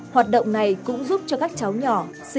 hoạt động này cũng giúp cho các cháu nhỏ